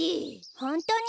ホントに？